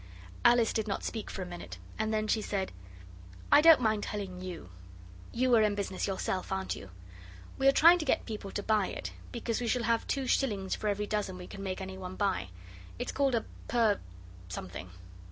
Alice did not speak for a minute, and then she said 'I don't mind telling you: you are in business yourself, aren't you? We are trying to get people to buy it, because we shall have two shillings for every dozen we can make any one buy. It's called a purr something.